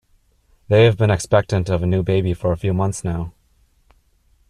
They have been expectant of a new baby for a few months now.